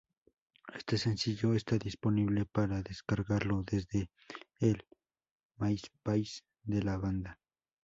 Este sencillo está disponible para descargarlo desde el myspace de la banda.